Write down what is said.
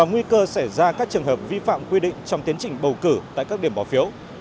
giờ sẽ ra các trường hợp vi phạm quy định trong tiến trình bầu cử tại các điểm bỏ phiếu